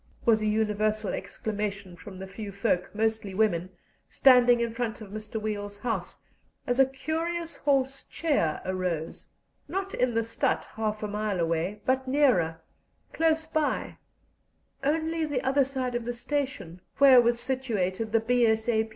was a universal exclamation from the few folk, mostly women, standing in front of Mr. Weil's house, as a curious hoarse cheer arose not in the stadt, half a mile away, but nearer, close by, only the other side of the station, where was situated the B.S.A.